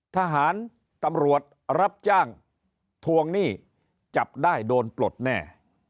ทหารตำรวจรับจ้างทวงหนี้จับได้โดนปลดแน่